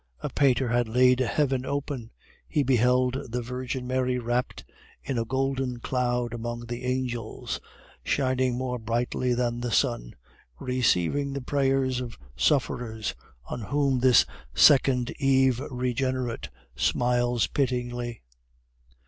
A painter had laid heaven open; he beheld the Virgin Mary wrapped in a golden cloud among the angels, shining more brightly than the sun, receiving the prayers of sufferers, on whom this second Eve Regenerate smiles pityingly.